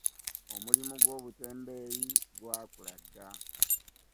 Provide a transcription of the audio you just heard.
Omulimu gw'obutembeeyi gwakula dda.